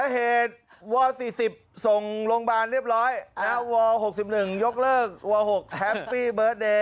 เฮดว่า๔๐ส่งโรงพยาบาลเรียบร้อยแล้วว่า๖๑ยกเลิกว่า๖แฮปปี้เบิร์สเดย์